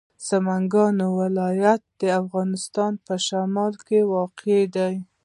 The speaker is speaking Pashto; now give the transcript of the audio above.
سمنګان ولایت د افغانستان په شمال کې واقع دی.